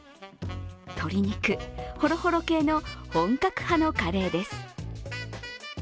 鶏肉ホロホロ系の本格派のカレーです。